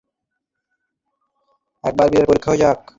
একবার বীরত্বের পরীক্ষা হয়ে যাক।